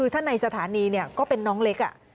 ถ้าในสถานีก็เป็นน้องเล็ก